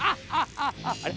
あれ？